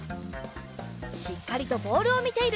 しっかりとボールをみている！